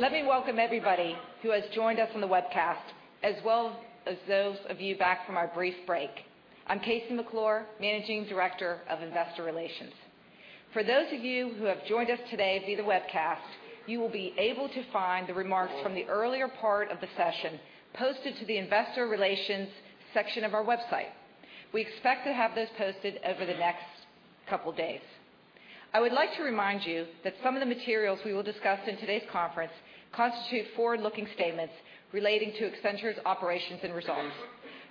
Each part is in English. Let me welcome everybody who has joined us on the webcast, as well as those of you back from our brief break. I'm KC McClure, Managing Director of Investor Relations. For those of you who have joined us today via the webcast, you will be able to find the remarks from the earlier part of the session posted to the investor relations section of our website. We expect to have those posted over the next couple of days. I would like to remind you that some of the materials we will discuss in today's conference constitute forward-looking statements relating to Accenture's operations and results.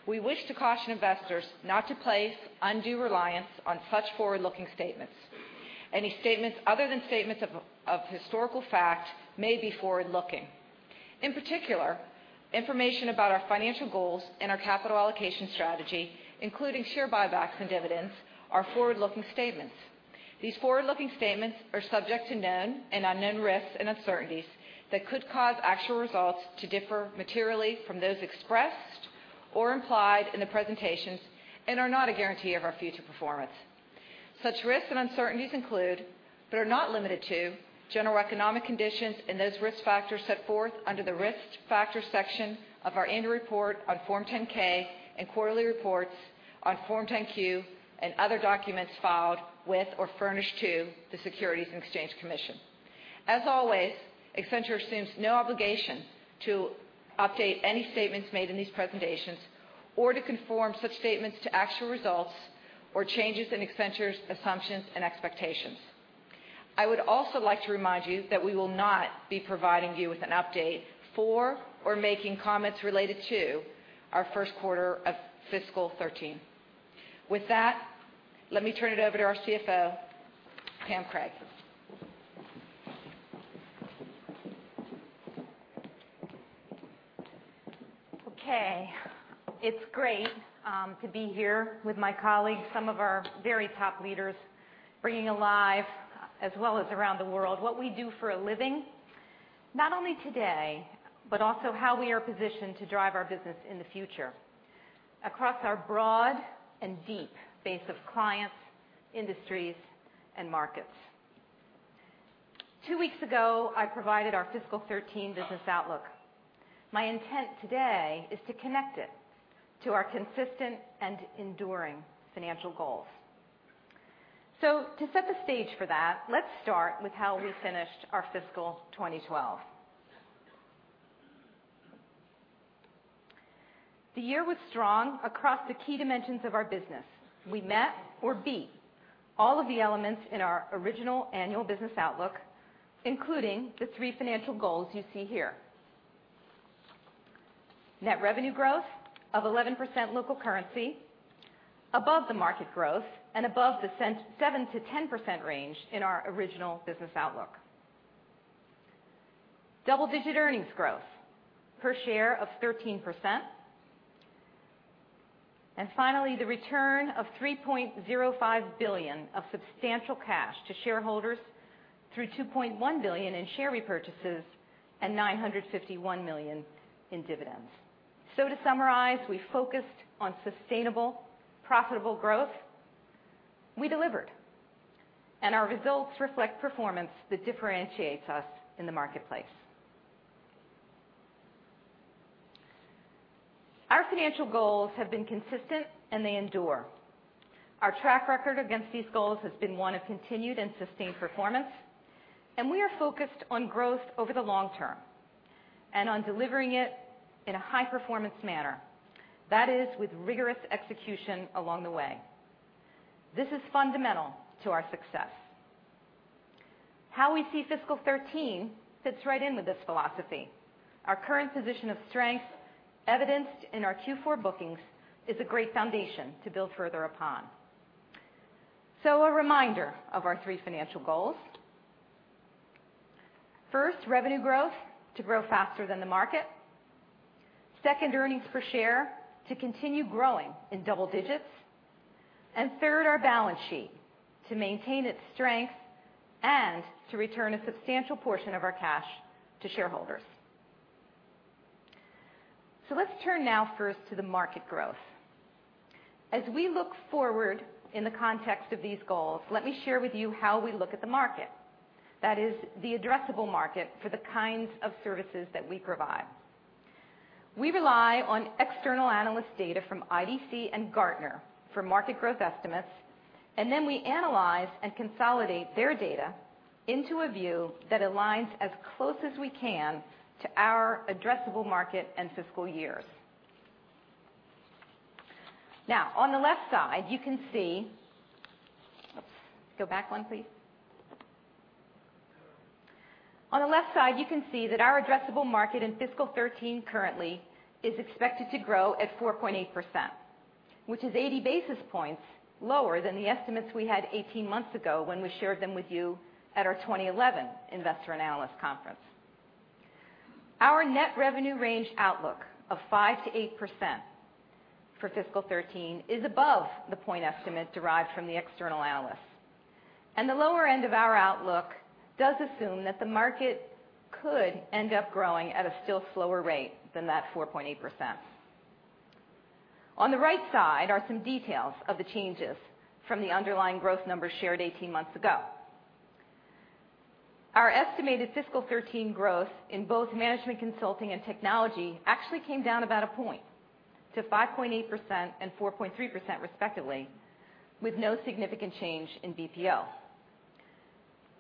We wish to caution investors not to place undue reliance on such forward-looking statements. Any statements other than statements of historical fact may be forward-looking. In particular, information about our financial goals and our capital allocation strategy, including share buybacks and dividends, are forward-looking statements. These forward-looking statements are subject to known and unknown risks and uncertainties that could cause actual results to differ materially from those expressed or implied in the presentations and are not a guarantee of our future performance. Such risks and uncertainties include, but are not limited to, general economic conditions and those risk factors set forth under the Risk Factors section of our annual report on Form 10-K and quarterly reports on Form 10-Q and other documents filed with or furnished to the Securities and Exchange Commission. As always, Accenture assumes no obligation to update any statements made in these presentations or to conform such statements to actual results or changes in Accenture's assumptions and expectations. I would also like to remind you that we will not be providing you with an update for or making comments related to our first quarter of fiscal 2013. With that, let me turn it over to our CFO, Pamela Craig. It's great to be here with my colleagues, some of our very top leaders, bringing alive, as well as around the world, what we do for a living. Not only today, but also how we are positioned to drive our business in the future across our broad and deep base of clients, industries, and markets. Two weeks ago, I provided our fiscal 2013 business outlook. My intent today is to connect it to our consistent and enduring financial goals. To set the stage for that, let's start with how we finished our fiscal 2012. The year was strong across the key dimensions of our business. We met or beat all of the elements in our original annual business outlook, including the three financial goals you see here. Net revenue growth of 11% local currency, above the market growth and above the 7%-10% range in our original business outlook. Double-digit earnings growth per share of 13%. The return of $3.05 billion of substantial cash to shareholders through $2.1 billion in share repurchases and $951 million in dividends. We focused on sustainable, profitable growth. We delivered, and our results reflect performance that differentiates us in the marketplace. Our financial goals have been consistent, they endure. Our track record against these goals has been one of continued and sustained performance, we are focused on growth over the long term and on delivering it in a high-performance manner. That is, with rigorous execution along the way. This is fundamental to our success. How we see fiscal 2013 fits right in with this philosophy. Our current position of strength, evidenced in our Q4 bookings, is a great foundation to build further upon. A reminder of our three financial goals. First, revenue growth to grow faster than the market. Second, earnings per share to continue growing in double digits. Third, our balance sheet to maintain its strength and to return a substantial portion of our cash to shareholders. Let's turn now first to the market growth. As we look forward in the context of these goals, let me share with you how we look at the market. That is, the addressable market for the kinds of services that we provide. We rely on external analyst data from IDC and Gartner for market growth estimates, then we analyze and consolidate their data into a view that aligns as close as we can to our addressable market and fiscal years. On the left side, you can see. Go back one, please. On the left side, you can see that our addressable market in fiscal 2013 currently is expected to grow at 4.8%, which is 80 basis points lower than the estimates we had 18 months ago when we shared them with you at our 2011 Investor & Analyst Conference. Our net revenue range outlook of 5%-8% for fiscal 2013 is above the point estimate derived from the external analysts. The lower end of our outlook does assume that the market could end up growing at a still slower rate than that 4.8%. On the right side are some details of the changes from the underlying growth numbers shared 18 months ago. Our estimated fiscal 2013 growth in both management consulting and technology actually came down about a point to 5.8% and 4.3%, respectively, with no significant change in BPO.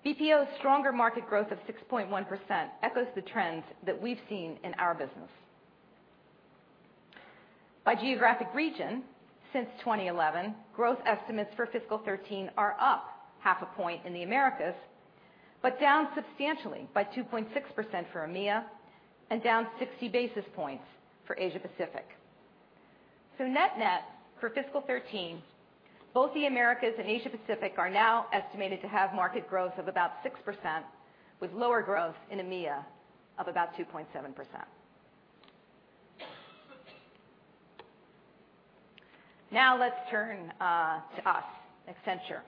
BPO's stronger market growth of 6.1% echoes the trends that we've seen in our business. By geographic region, since 2011, growth estimates for fiscal 2013 are up half a point in the Americas, but down substantially by 2.6% for EMEA and down 60 basis points for Asia Pacific. Net-net for fiscal 2013, both the Americas and Asia Pacific are now estimated to have market growth of about 6% with lower growth in EMEA of about 2.7%. Let's turn to us, Accenture.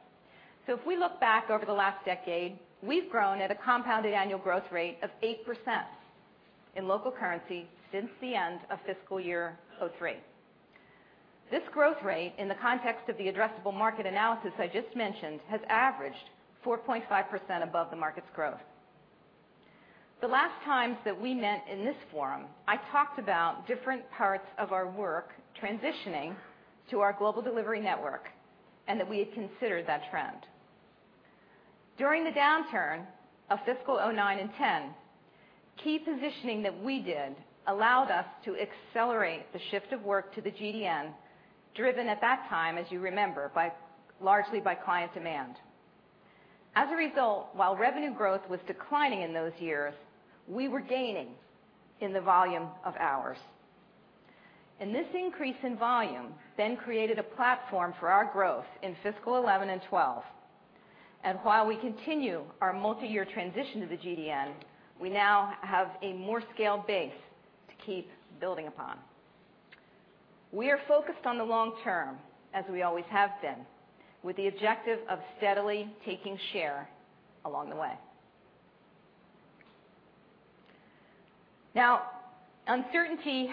If we look back over the last decade, we've grown at a compounded annual growth rate of 8% in local currency since the end of fiscal year 2003. This growth rate, in the context of the addressable market analysis I just mentioned, has averaged 4.5% above the market's growth. The last times that we met in this forum, I talked about different parts of our work transitioning to our global delivery network, and that we had considered that trend. During the downturn of fiscal 2009 and 2010, key positioning that we did allowed us to accelerate the shift of work to the GDN, driven at that time, as you remember, largely by client demand. As a result, while revenue growth was declining in those years, we were gaining in the volume of hours. This increase in volume then created a platform for our growth in fiscal 2011 and 2012. While we continue our multi-year transition to the GDN, we now have a more scaled base to keep building upon. We are focused on the long term, as we always have been, with the objective of steadily taking share along the way. Uncertainty,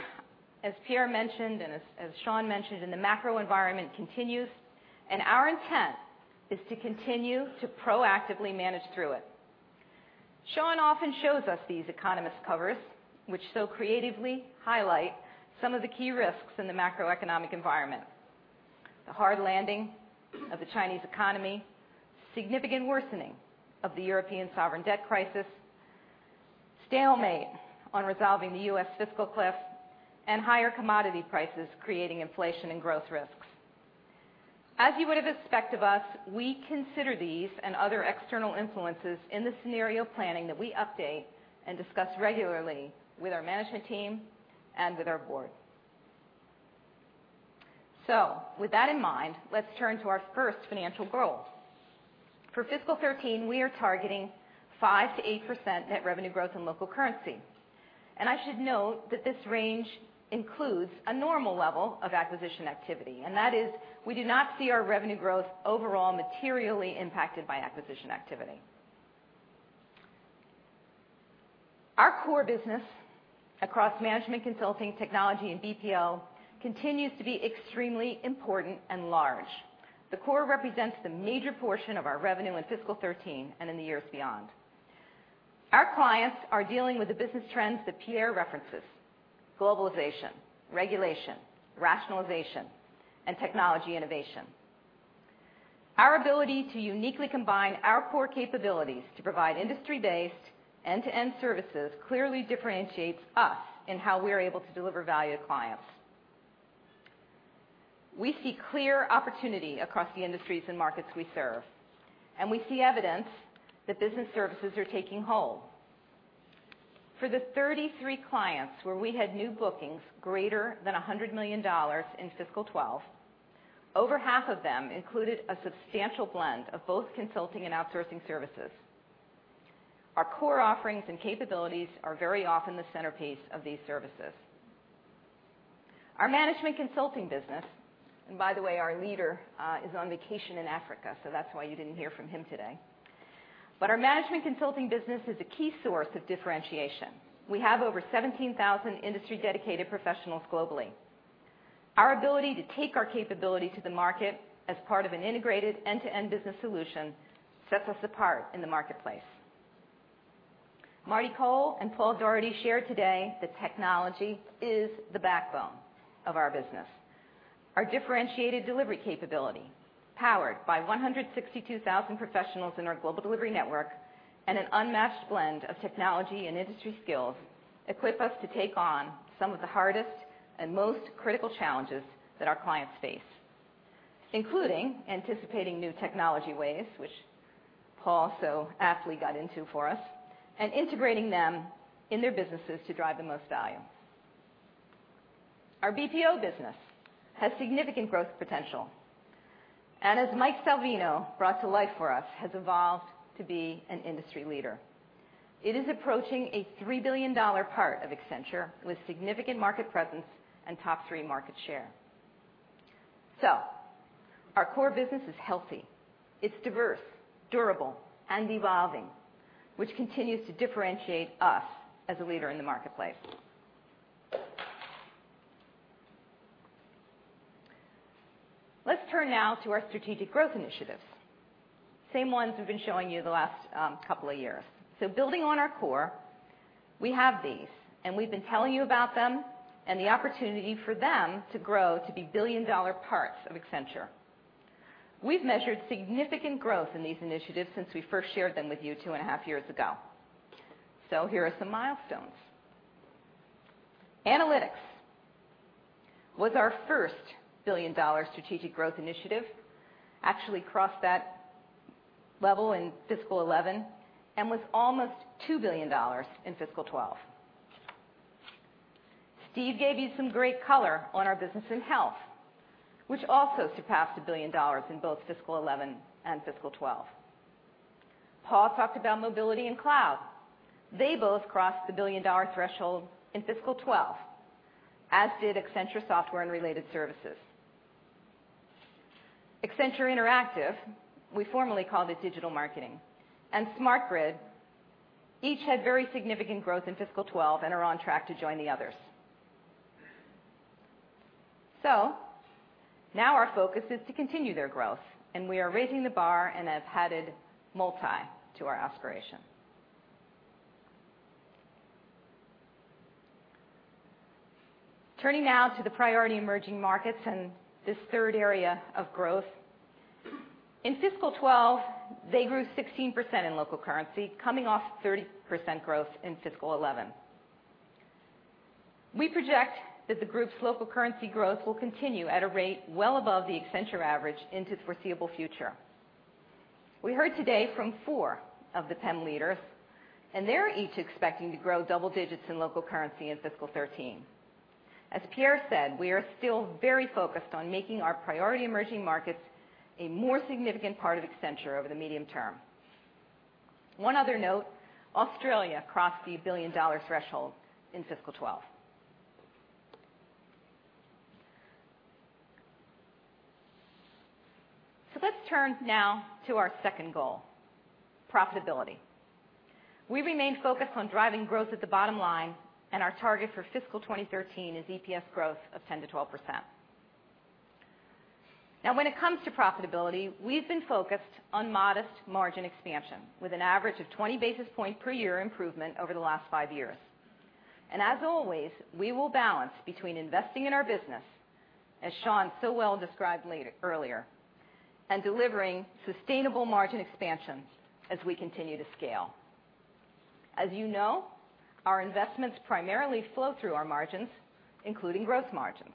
as Pierre mentioned and as Sean mentioned, in the macro environment continues, and our intent is to continue to proactively manage through it. Sean often shows us these Economist covers, which so creatively highlight some of the key risks in the macroeconomic environment. The hard landing of the Chinese economy, significant worsening of the European sovereign debt crisis, stalemate on resolving the U.S. fiscal cliff, and higher commodity prices creating inflation and growth risks. As you would have expected of us, we consider these and other external influences in the scenario planning that we update and discuss regularly with our management team and with our board. With that in mind, let's turn to our first financial goal. For fiscal 2013, we are targeting 5%-8% net revenue growth in local currency. I should note that this range includes a normal level of acquisition activity, and that is, we do not see our revenue growth overall materially impacted by acquisition activity. Our core business across management consulting, technology, and BPO continues to be extremely important and large. The core represents the major portion of our revenue in fiscal 2013 and in the years beyond. Our clients are dealing with the business trends that Pierre references. Globalization, regulation, rationalization, and technology innovation. Our ability to uniquely combine our core capabilities to provide industry-based end-to-end services clearly differentiates us in how we are able to deliver value to clients. We see clear opportunity across the industries and markets we serve, and we see evidence that business services are taking hold. For the 33 clients where we had new bookings greater than $100 million in fiscal 2012, over half of them included a substantial blend of both consulting and outsourcing services. Our core offerings and capabilities are very often the centerpiece of these services. By the way, our leader is on vacation in Africa, so that's why you didn't hear from him today. Our management consulting business is a key source of differentiation. We have over 17,000 industry-dedicated professionals globally. Our ability to take our capability to the market as part of an integrated end-to-end business solution sets us apart in the marketplace. Marty Cole and Paul Daugherty shared today that technology is the backbone of our business. Our differentiated delivery capability, powered by 162,000 professionals in our global delivery network and an unmatched blend of technology and industry skills, equip us to take on some of the hardest and most critical challenges that our clients face, including anticipating new technology waves, which Paul so aptly got into for us, and integrating them in their businesses to drive the most value. Our BPO business has significant growth potential and, as Mike Salvino brought to life for us, has evolved to be an industry leader. It is approaching a $3 billion part of Accenture with significant market presence and top 3 market share. Our core business is healthy. It's diverse, durable, and evolving, which continues to differentiate us as a leader in the marketplace. Let's turn now to our strategic growth initiatives. Same ones we've been showing you the last couple of years. Building on our core, we have these, and we've been telling you about them and the opportunity for them to grow to be billion-dollar parts of Accenture. We've measured significant growth in these initiatives since we first shared them with you two and a half years ago. Here are some milestones. Analytics was our first billion-dollar strategic growth initiative. Actually crossed that level in fiscal 2011 and was almost $2 billion in fiscal 2012. Steve gave you some great color on our business in health, which also surpassed a billion dollars in both fiscal 2011 and fiscal 2012. Paul talked about mobility and cloud. They both crossed the billion-dollar threshold in fiscal 2012, as did Accenture Software and Related Services. Accenture Interactive, we formerly called it Digital Marketing, and Smart Grid, each had very significant growth in fiscal 2012 and are on track to join the others. Now our focus is to continue their growth, and we are raising the bar and have added multi to our aspiration. Turning now to the priority emerging markets and this third area of growth. In fiscal 2012, they grew 16% in local currency, coming off 30% growth in fiscal 2011. We project that the group's local currency growth will continue at a rate well above the Accenture average into foreseeable future. We heard today from 4 of the PEM leaders, and they're each expecting to grow double digits in local currency in fiscal 2013. As Pierre said, we are still very focused on making our priority emerging markets a more significant part of Accenture over the medium term. One other note, Australia crossed the billion-dollar threshold in fiscal 2012. Let's turn now to our second goal, profitability. We remain focused on driving growth at the bottom line, and our target for fiscal 2013 is EPS growth of 10%-12%. Now, when it comes to profitability, we've been focused on modest margin expansion with an average of 20 basis point per year improvement over the last five years. As always, we will balance between investing in our business, as Sean so well described earlier, and delivering sustainable margin expansion as we continue to scale. As you know, our investments primarily flow through our margins, including gross margins.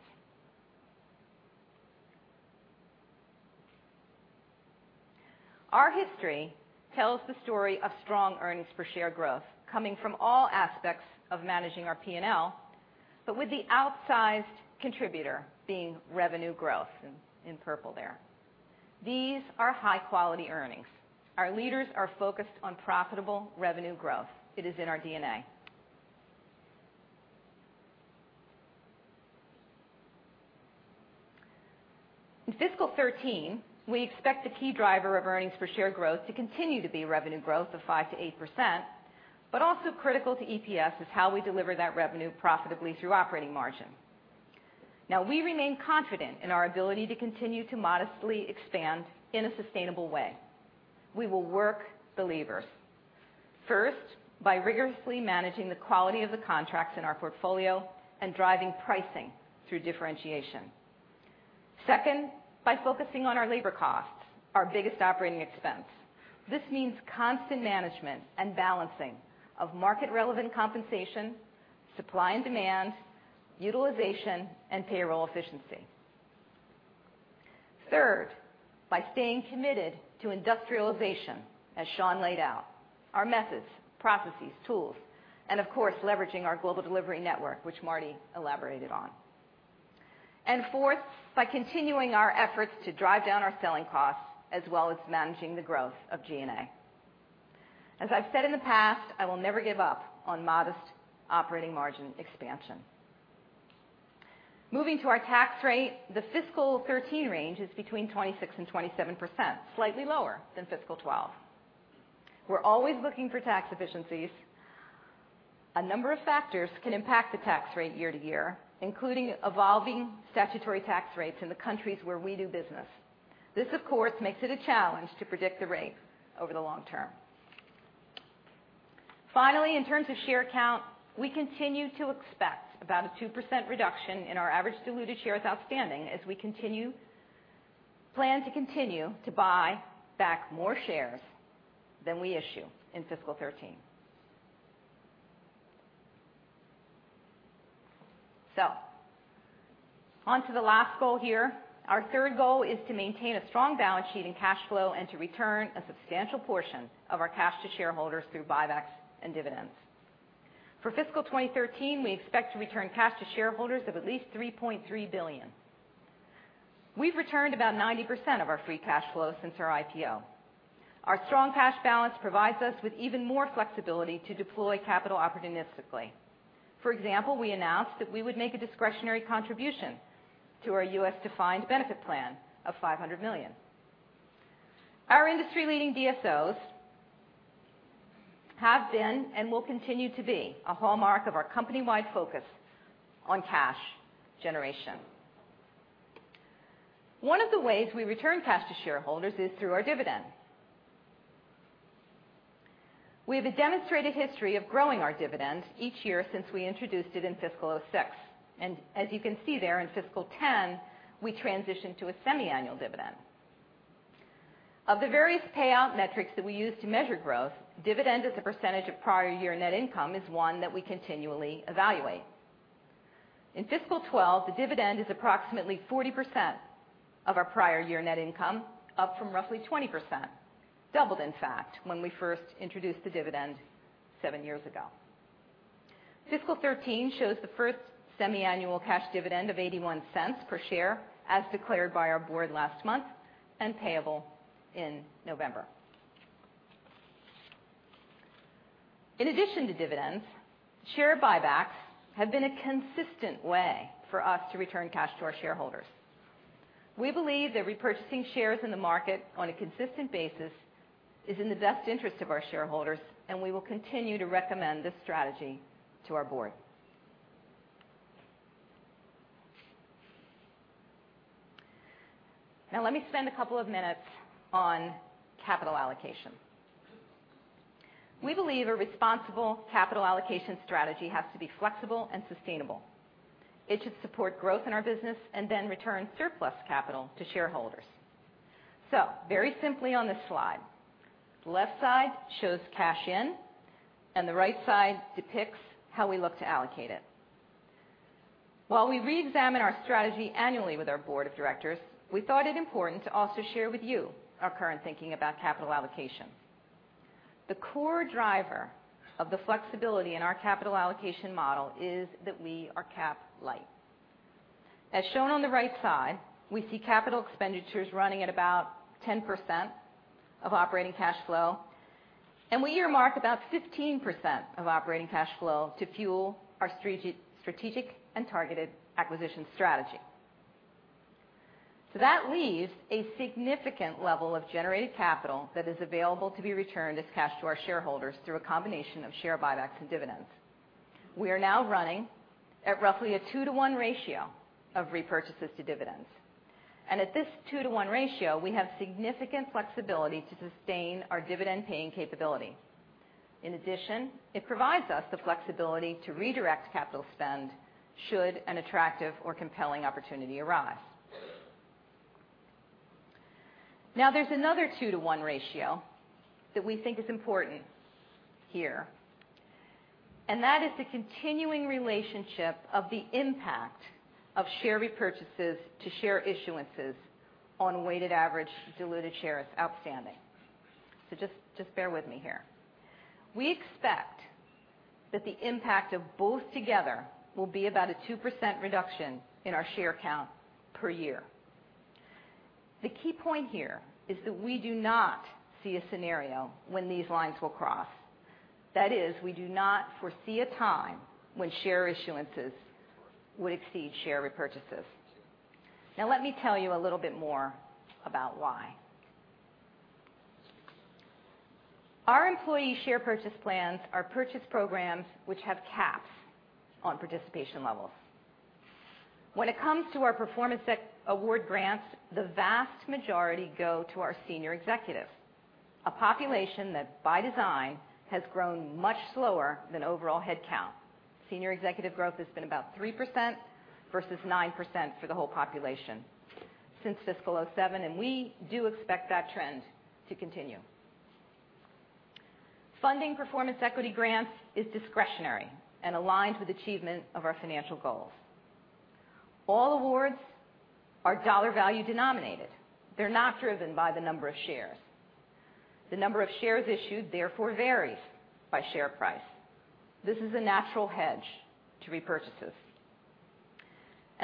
Our history tells the story of strong earnings per share growth coming from all aspects of managing our P&L, but with the outsized contributor being revenue growth in purple there. These are high-quality earnings. Our leaders are focused on profitable revenue growth. It is in our DNA. In fiscal 2013, we expect the key driver of earnings per share growth to continue to be revenue growth of 5%-8%, but also critical to EPS is how we deliver that revenue profitably through operating margin. We remain confident in our ability to continue to modestly expand in a sustainable way. We will work the lever. First, by rigorously managing the quality of the contracts in our portfolio and driving pricing through differentiation. Second, by focusing on our labor costs, our biggest operating expense. This means constant management and balancing of market-relevant compensation, supply and demand, utilization, and payroll efficiency. Third, by staying committed to industrialization, as Sean laid out, our methods, processes, tools, and of course, leveraging our global delivery network, which Marty elaborated on. Fourth, by continuing our efforts to drive down our selling costs as well as managing the growth of G&A. As I've said in the past, I will never give up on modest operating margin expansion. Moving to our tax rate, the fiscal 2013 range is between 26% and 27%, slightly lower than fiscal 2012. We're always looking for tax efficiencies. A number of factors can impact the tax rate year to year, including evolving statutory tax rates in the countries where we do business. This, of course, makes it a challenge to predict the rate over the long term. Finally, in terms of share count, we continue to expect about a 2% reduction in our average diluted shares outstanding as we plan to continue to buy back more shares than we issue in fiscal 2013. On to the last goal here. Our third goal is to maintain a strong balance sheet and cash flow and to return a substantial portion of our cash to shareholders through buybacks and dividends. For fiscal 2013, we expect to return cash to shareholders of at least $3.3 billion. We've returned about 90% of our free cash flow since our IPO. Our strong cash balance provides us with even more flexibility to deploy capital opportunistically. For example, we announced that we would make a discretionary contribution to our U.S. defined benefit plan of $500 million. Our industry-leading DSOs have been and will continue to be a hallmark of our company-wide focus on cash generation. One of the ways we return cash to shareholders is through our dividend. We have a demonstrated history of growing our dividend each year since we introduced it in fiscal 2006. As you can see there in fiscal 2010, we transitioned to a semiannual dividend. Of the various payout metrics that we use to measure growth, dividend as a percentage of prior year net income is one that we continually evaluate. In fiscal 2012, the dividend is approximately 40% of our prior year net income, up from roughly 20%, doubled, in fact, when we first introduced the dividend seven years ago. Fiscal 2013 shows the first semiannual cash dividend of $0.81 per share as declared by our board last month and payable in November. In addition to dividends, share buybacks have been a consistent way for us to return cash to our shareholders. We believe that repurchasing shares in the market on a consistent basis is in the best interest of our shareholders. We will continue to recommend this strategy to our board. Let me spend a couple of minutes on capital allocation. We believe a responsible capital allocation strategy has to be flexible and sustainable. It should support growth in our business and then return surplus capital to shareholders. Very simply on this slide, the left side shows cash in and the right side depicts how we look to allocate it. While we reexamine our strategy annually with our board of directors, we thought it important to also share with you our current thinking about capital allocation. The core driver of the flexibility in our capital allocation model is that we are cap-light. As shown on the right side, we see capital expenditures running at about 10% of operating cash flow. We earmark about 15% of operating cash flow to fuel our strategic and targeted acquisition strategy. That leaves a significant level of generated capital that is available to be returned as cash to our shareholders through a combination of share buybacks and dividends. We are now running at roughly a 2 to 1 ratio of repurchases to dividends. At this 2 to 1 ratio, we have significant flexibility to sustain our dividend-paying capability. In addition, it provides us the flexibility to redirect capital spend should an attractive or compelling opportunity arise. There's another 2 to 1 ratio that we think is important here. That is the continuing relationship of the impact of share repurchases to share issuances on a weighted average to diluted shares outstanding. Just bear with me here. We expect that the impact of both together will be about a 2% reduction in our share count per year. The key point here is that we do not see a scenario when these lines will cross. That is, we do not foresee a time when share issuances would exceed share repurchases. Let me tell you a little bit more about why. Our employee share purchase plans are purchase programs which have caps on participation levels. When it comes to our performance award grants, the vast majority go to our senior executives, a population that by design has grown much slower than overall headcount. Senior executive growth has been about 3% versus 9% for the whole population since fiscal 2007. We do expect that trend to continue. Funding performance equity grants is discretionary and aligned with achievement of our financial goals. All awards are dollar value denominated. They're not driven by the number of shares. The number of shares issued therefore varies by share price. This is a natural hedge to repurchases.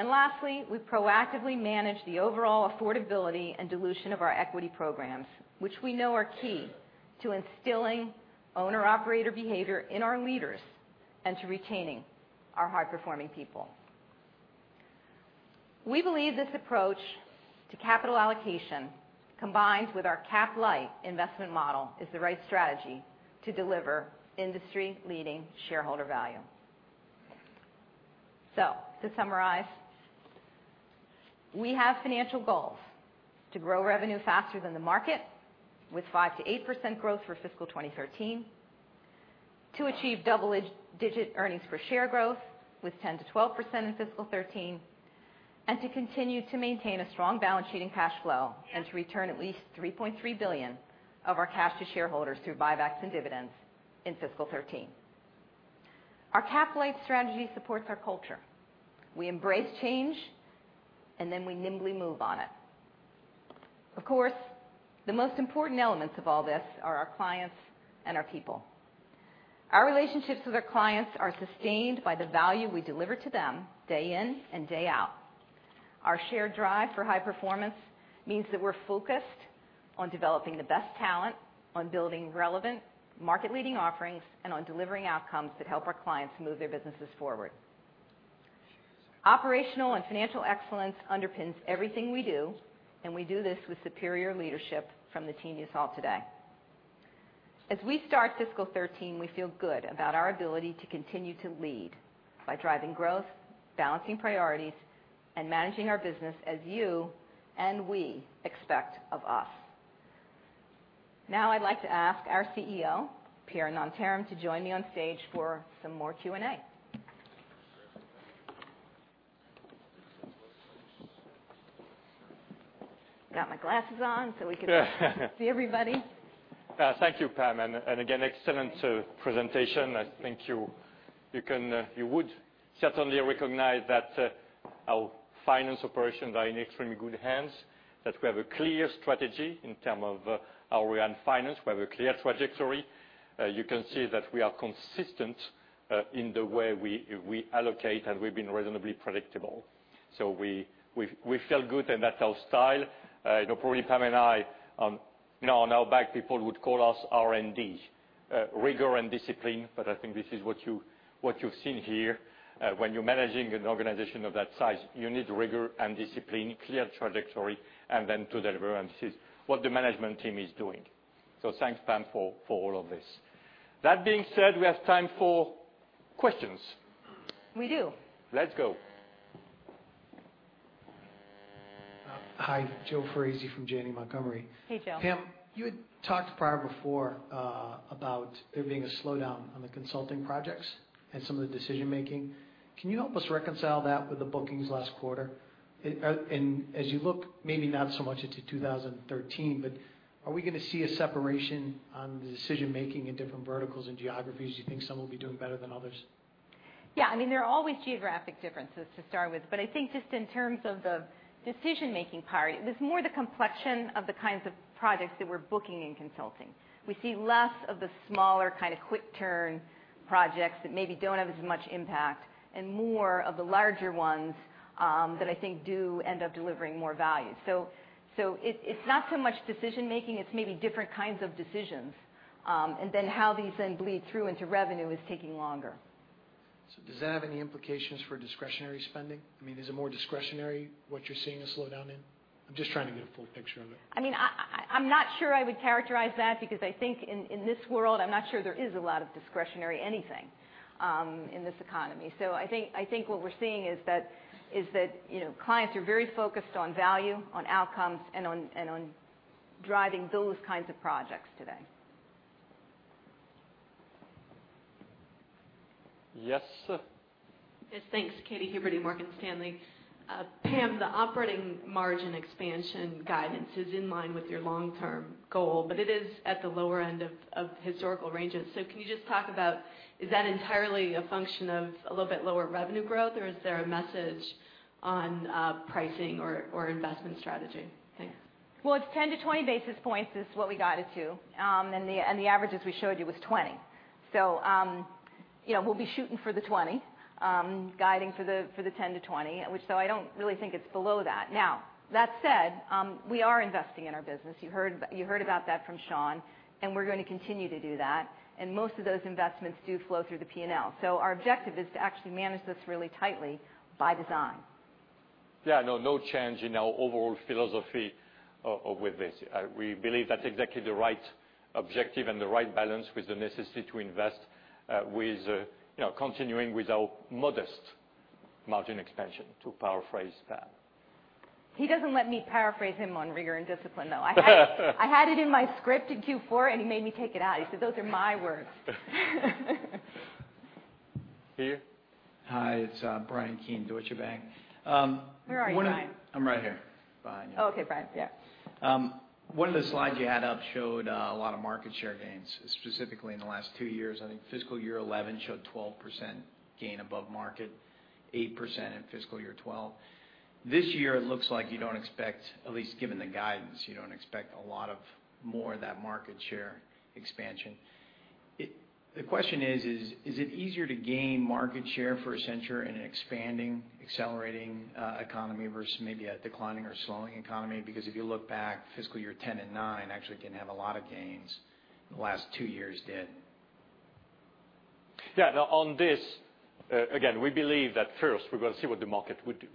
Lastly, we proactively manage the overall affordability and dilution of our equity programs, which we know are key to instilling owner/operator behavior in our leaders and to retaining our high-performing people. We believe this approach to capital allocation, combined with our cap-light investment model, is the right strategy to deliver industry-leading shareholder value. To summarize, we have financial goals to grow revenue faster than the market with 5%-8% growth for fiscal 2013, to achieve double-digit EPS growth with 10%-12% in fiscal 2013, and to continue to maintain a strong balance sheet and cash flow and to return at least $3.3 billion of our cash to shareholders through buybacks and dividends in fiscal 2013. Our cap-light strategy supports our culture. We embrace change, and then we nimbly move on it. Of course, the most important elements of all this are our clients and our people. Our relationships with our clients are sustained by the value we deliver to them day in and day out. Our shared drive for high performance means that we're focused on developing the best talent, on building relevant market-leading offerings, and on delivering outcomes that help our clients move their businesses forward. Operational and financial excellence underpins everything we do, and we do this with superior leadership from the team you saw today. As we start fiscal 2013, we feel good about our ability to continue to lead by driving growth, balancing priorities, and managing our business as you and we expect of us. I'd like to ask our CEO, Pierre Nanterme, to join me on stage for some more Q&A. Got my glasses on so we can see everybody. Thank you, Pam, and again, excellent presentation. I think you would certainly recognize that our finance operations are in extremely good hands, that we have a clear strategy in terms of our finance. We have a clear trajectory. You can see that we are consistent in the way we allocate, and we've been reasonably predictable. We feel good, and that's our style. I know probably Pam and I, on our back people would call us R&D, rigor and discipline. I think this is what you've seen here. When you're managing an organization of that size, you need rigor and discipline, clear trajectory, and then to deliver, and this is what the management team is doing. Thanks, Pam, for all of this. That being said, we have time for questions. We do. Let's go. Hi. Joe Foresi from Janney Montgomery. Hey, Joe. Pam, you had talked prior before about there being a slowdown on the consulting projects and some of the decision making. Can you help us reconcile that with the bookings last quarter? As you look, maybe not so much into 2013, but are we going to see a separation on the decision making in different verticals and geographies? Do you think some will be doing better than others? Yeah, there are always geographic differences to start with. I think just in terms of the decision-making part, it was more the complexion of the kinds of projects that we're booking in consulting. We see less of the smaller kind of quick-turn projects that maybe don't have as much impact, and more of the larger ones that I think do end up delivering more value. It's not so much decision making, it's maybe different kinds of decisions, and then how these then bleed through into revenue is taking longer. Does that have any implications for discretionary spending? Is it more discretionary, what you're seeing a slowdown in? I'm just trying to get a full picture of it. I'm not sure I would characterize that because I think in this world, I'm not sure there is a lot of discretionary anything in this economy. I think what we're seeing is that clients are very focused on value, on outcomes, and on driving those kinds of projects today. Yes. Yes, thanks. Katy Huberty, Morgan Stanley. Pam, the operating margin expansion guidance is in line with your long-term goal, but it is at the lower end of historical ranges. Can you just talk about, is that entirely a function of a little bit lower revenue growth, or is there a message on pricing or investment strategy? Thanks. It's 10-20 basis points is what we guided to. The averages we showed you was 20. We'll be shooting for the 20, guiding for the 10-20, which, so I don't really think it's below that. That said, we are investing in our business. You heard about that from Sean, and we're going to continue to do that, and most of those investments do flow through the P&L. Our objective is to actually manage this really tightly by design. No change in our overall philosophy with this. We believe that's exactly the right objective and the right balance with the necessity to invest with continuing with our modest margin expansion, to paraphrase Pam. He doesn't let me paraphrase him on rigor and discipline, though. I had it in my script in Q4, and he made me take it out. He said, "Those are my words. Here. It's Bryan Keane, Deutsche Bank. Where are you, Bryan? I'm right here. Behind you. Oh, okay, Bryan. Yeah. One of the slides you had up showed a lot of market share gains, specifically in the last two years. I think fiscal year 2011 showed 12% gain above market, 8% in fiscal year 2012. This year, it looks like you don't expect, at least given the guidance, you don't expect a lot of more of that market share expansion. The question is it easier to gain market share for Accenture in an expanding, accelerating economy versus maybe a declining or slowing economy? Because if you look back, fiscal year 2010 and 2009 actually didn't have a lot of gains, and the last two years did. Yeah, now on this, again, we believe that first we've got to see what the market would do.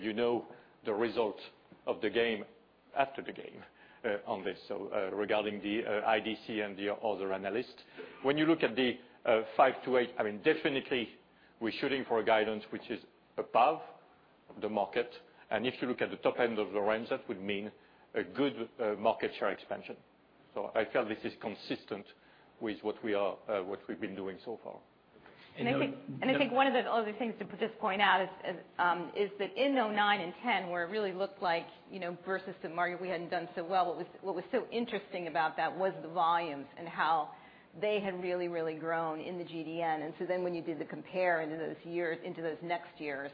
You know the result of the game after the game on this, regarding the IDC and the other analysts. When you look at the 5%-8%, definitely we're shooting for a guidance which is above the market. If you look at the top end of the range, that would mean a good market share expansion. I feel this is consistent with what we've been doing so far. I think one of the other things to just point out is that in 2009 and 2010, where it really looked like versus the market, we hadn't done so well, what was so interesting about that was the volumes and how they had really grown in the GDN. When you did the compare into those next years,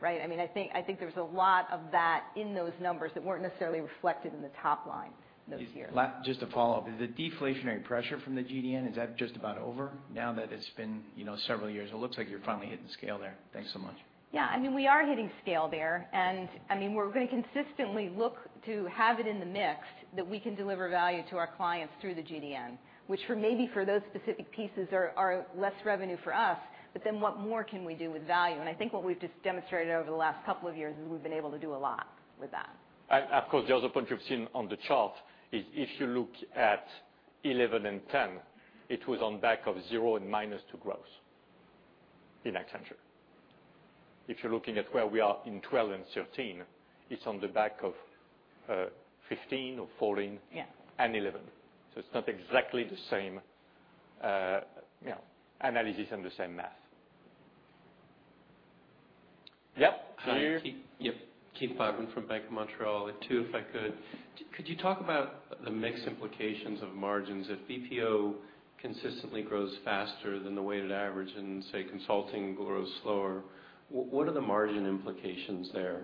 I think there was a lot of that in those numbers that weren't necessarily reflected in the top line those years. Just a follow-up. Is the deflationary pressure from the GDN, is that just about over now that it's been several years? It looks like you're finally hitting scale there. Thanks so much. Yeah, we are hitting scale there. We're going to consistently look to have it in the mix that we can deliver value to our clients through the GDN, which maybe for those specific pieces are less revenue for us, what more can we do with value? I think what we've just demonstrated over the last couple of years is we've been able to do a lot with that. Of course, the other point you've seen on the chart is if you look at 2011 and 2010, it was on back of 0% and -2% growth in Accenture. If you're looking at where we are in 2012 and 2013, it's on the back of 15% or 14% Yeah and 11%. It's not exactly the same analysis and the same math. Yep. John? Yep. Keith Bachman from BMO Capital Markets. Two, if I could. Could you talk about the mix implications of margins? If BPO consistently grows faster than the weighted average and, say, consulting grows slower, what are the margin implications there?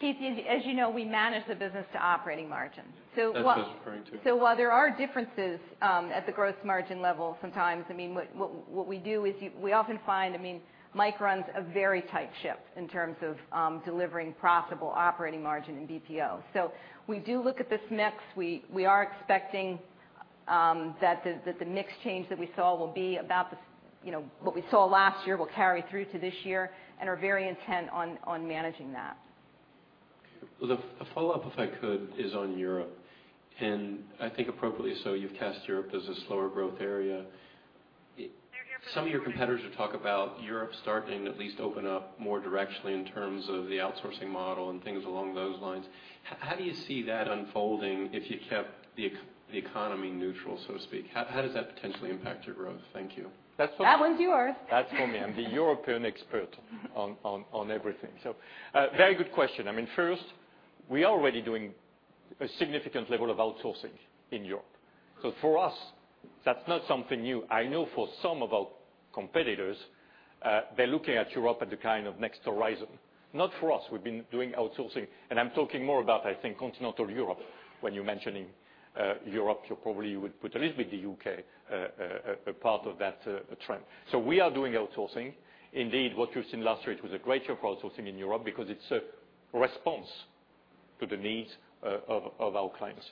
Keith, as you know, we manage the business to operating margin. That's what I was referring to. While there are differences at the growth margin level sometimes, what we do is we often find Mike runs a very tight ship in terms of delivering profitable operating margin in BPO. We do look at this mix. We are expecting that the mix change that we saw will be about what we saw last year will carry through to this year and are very intent on managing that. Well, the follow-up, if I could, is on Europe. I think appropriately so, you've cast Europe as a slower growth area. Some of your competitors would talk about Europe starting to at least open up more directionally in terms of the outsourcing model and things along those lines. How do you see that unfolding if you kept the economy neutral, so to speak? How does that potentially impact your growth? Thank you. That one's yours. That's for me. I'm the European expert on everything. Very good question. First, we are already doing a significant level of outsourcing in Europe. For us, that's not something new. I know for some of our competitors, they're looking at Europe as the next horizon. Not for us. We've been doing outsourcing, and I'm talking more about, I think, continental Europe. When you're mentioning Europe, you probably would put a little bit of the U.K. a part of that trend. We are doing outsourcing. Indeed, what you've seen last year, it was a great year for outsourcing in Europe because it's a response to the needs of our clients.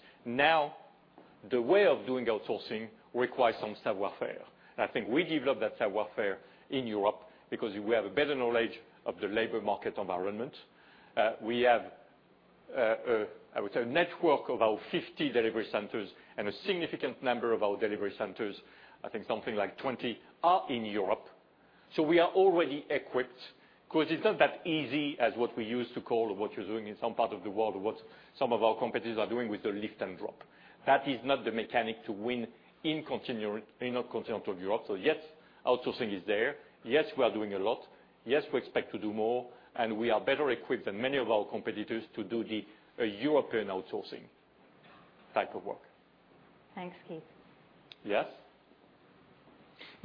The way of doing outsourcing requires some savoir-faire. I think we developed that savoir-faire in Europe because we have a better knowledge of the labor market environment. We have, I would say, a network of our 50 delivery centers and a significant number of our delivery centers, I think something like 20, are in Europe. We are already equipped because it's not that easy as what we used to call what you're doing in some part of the world, what some of our competitors are doing with the lift and drop. That is not the mechanic to win in continental Europe. Yes, outsourcing is there. Yes, we are doing a lot. Yes, we expect to do more, and we are better equipped than many of our competitors to do the European outsourcing type of work. Thanks, Keith. Yes.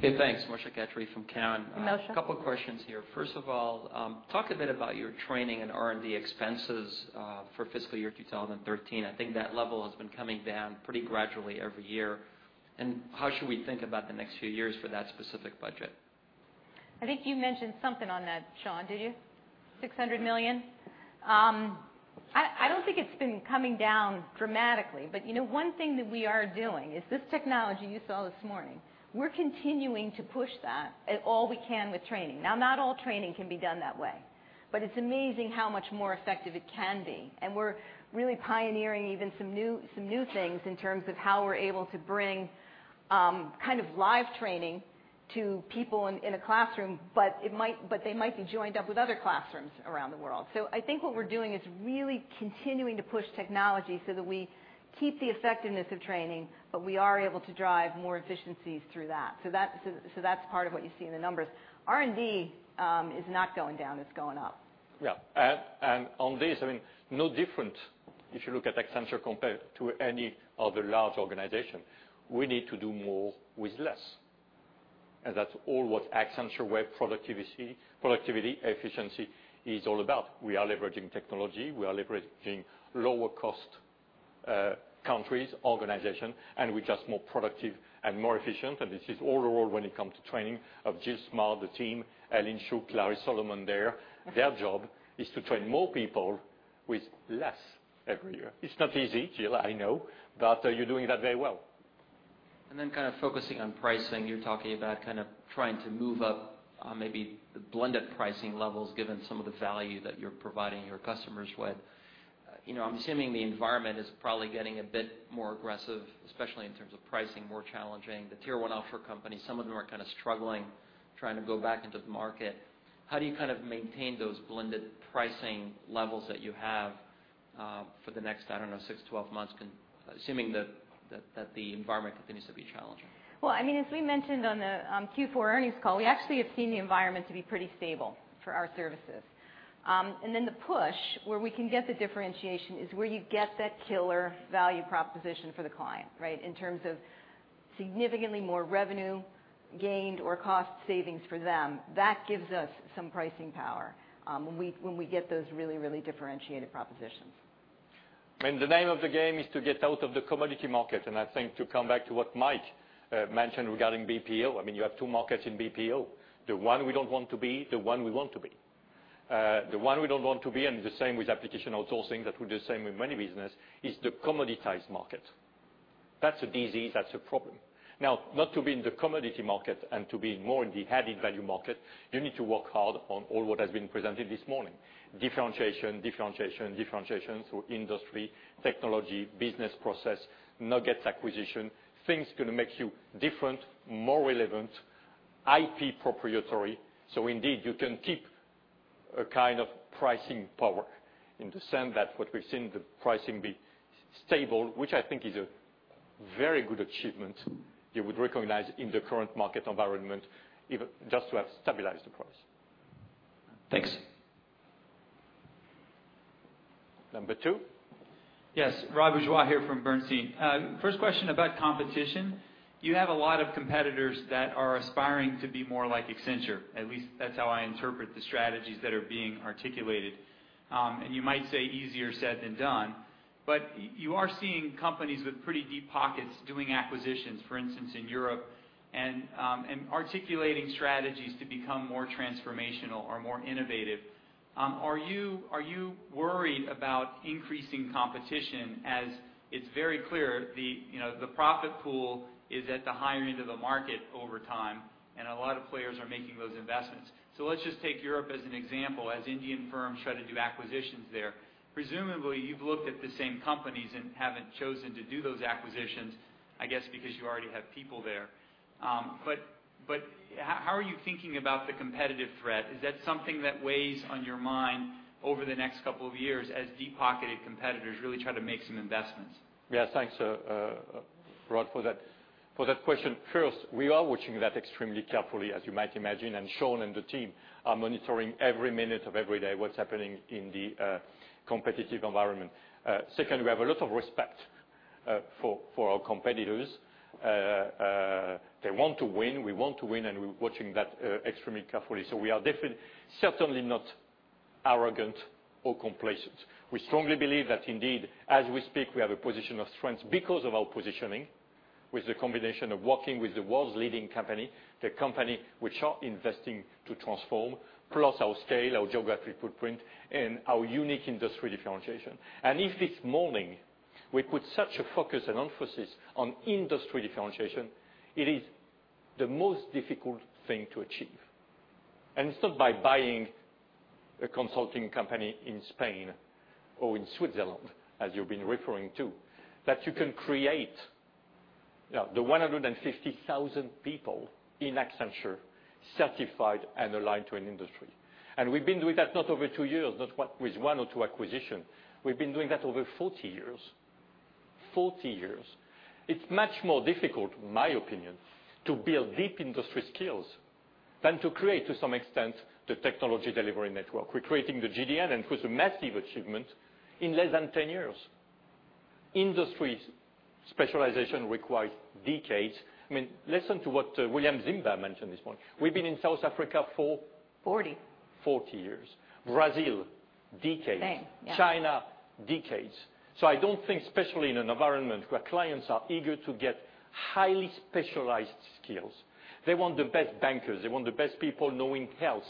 Thanks. Moshe Katri from Cowen. Moshe. A couple of questions here. First of all, talk a bit about your training and R&D expenses for fiscal year 2013. I think that level has been coming down pretty gradually every year. How should we think about the next few years for that specific budget? I think you mentioned something on that, Sean, did you? $600 million. I don't think it's been coming down dramatically, but one thing that we are doing is this technology you saw this morning. We're continuing to push that all we can with training. Now, not all training can be done that way, but it's amazing how much more effective it can be. We're really pioneering even some new things in terms of how we're able to bring live training to people in a classroom, but they might be joined up with other classrooms around the world. I think what we're doing is really continuing to push technology so that we keep the effectiveness of training, but we are able to drive more efficiencies through that. That's part of what you see in the numbers. R&D is not going down. It's going up. Yeah. On this, no different if you look at Accenture compared to any other large organization. We need to do more with less. That's all what Accenture way productivity, efficiency is all about. We are leveraging technology, we are leveraging lower cost countries, organization, and we're just more productive and more efficient. This is overall when it comes to training of Jill Smart, the team, Ellyn Shook, Larry Solomon there. Their job is to train more people with less every year. It's not easy, Jill, I know, but you're doing that very well. Focusing on pricing, you're talking about trying to move up maybe the blended pricing levels given some of the value that you're providing your customers with. I'm assuming the environment is probably getting a bit more aggressive, especially in terms of pricing, more challenging. The tier 1 offer companies, some of them are struggling trying to go back into the market. How do you maintain those blended pricing levels that you have? For the next, I don't know, six to 12 months, assuming that the environment continues to be challenging. Well, as we mentioned on the Q4 earnings call, we actually have seen the environment to be pretty stable for our services. The push, where we can get the differentiation, is where you get that killer value proposition for the client, right, in terms of significantly more revenue gained or cost savings for them. That gives us some pricing power when we get those really differentiated propositions. The name of the game is to get out of the commodity market. I think to come back to what Mike mentioned regarding BPO, you have two markets in BPO. The one we don't want to be, the one we want to be. The one we don't want to be, and the same with application outsourcing, that we do the same with money business, is the commoditized market. That's a disease, that's a problem. Now, not to be in the commodity market and to be more in the added value market, you need to work hard on all what has been presented this morning. Differentiation through industry, technology, business process, nuggets acquisition, things going to make you different, more relevant, IP proprietary. Indeed, you can keep a kind of pricing power in the sense that what we've seen the pricing be stable, which I think is a very good achievement you would recognize in the current market environment, even just to have stabilized the price. Thanks. Number two? Yes. Rod Bourgeois here from Bernstein. First question about competition. You have a lot of competitors that are aspiring to be more like Accenture. At least that's how I interpret the strategies that are being articulated. You might say easier said than done, but you are seeing companies with pretty deep pockets doing acquisitions, for instance, in Europe, and articulating strategies to become more transformational or more innovative. Are you worried about increasing competition? As it's very clear, the profit pool is at the higher end of the market over time, and a lot of players are making those investments. Let's just take Europe as an example, as Indian firms try to do acquisitions there. Presumably, you've looked at the same companies and haven't chosen to do those acquisitions, I guess, because you already have people there. How are you thinking about the competitive threat? Is that something that weighs on your mind over the next couple of years as deep-pocketed competitors really try to make some investments? Yeah. Thanks, Rod, for that question. First, we are watching that extremely carefully, as you might imagine. Sean and the team are monitoring every minute of every day what's happening in the competitive environment. Second, we have a lot of respect for our competitors. They want to win, we want to win. We're watching that extremely carefully. We are certainly not arrogant or complacent. We strongly believe that indeed, as we speak, we have a position of strength because of our positioning with the combination of working with the world's leading company, the company which are investing to transform, plus our scale, our geographic footprint, and our unique industry differentiation. If this morning we put such a focus and emphasis on industry differentiation, it is the most difficult thing to achieve. It's not by buying a consulting company in Spain or in Switzerland, as you've been referring to, that you can create the 150,000 people in Accenture certified and aligned to an industry. We've been doing that not over two years, not with one or two acquisitions. We've been doing that over 40 years. It's much more difficult, in my opinion, to build deep industry skills than to create, to some extent, the technology delivery network. We're creating the GDN, and it was a massive achievement in less than 10 years. Industry specialization requires decades. Listen to what William Green mentioned this morning. We've been in South Africa for- 40 40 years. Brazil, decades. Same, yeah. China, decades. I don't think, especially in an environment where clients are eager to get highly specialized skills. They want the best bankers. They want the best people knowing health.